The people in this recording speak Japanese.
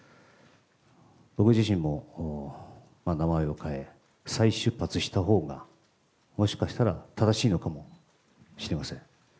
僕自身も名前を変え、再出発したほうが、もしかしたら正しいのかもしれません。